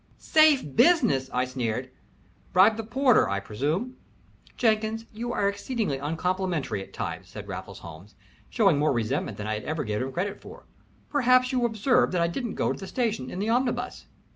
"Safe business!" I sneered. "Bribed the porter, I presume?" "Jenkins, you are exceedingly uncomplimentary at times," said Raffles Holmes, showing more resentment than I had ever given him credit for. "Perhaps you observed that I didn't go to the station in the omnibus."